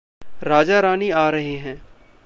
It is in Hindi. राजा-रानी आ रहे हैं।